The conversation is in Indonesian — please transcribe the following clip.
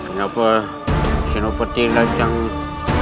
aku yakin vide camera anda tidak akan kacau